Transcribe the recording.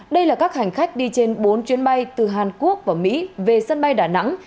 đây là các hành khách đi trên bốn chuyến bay từ hàn quốc và mỹ về sân bay đà nẵng